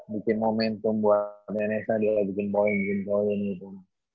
bikin momentum buat ns nya dia bikin poin poin gitu